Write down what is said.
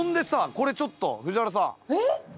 これちょっと藤原さん。